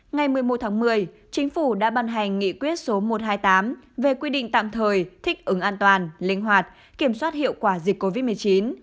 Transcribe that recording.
ngày một mươi một tháng một mươi chính phủ đã ban hành nghị quyết số một trăm hai mươi tám về quy định tạm thời thích ứng an toàn linh hoạt kiểm soát hiệu quả dịch covid một mươi chín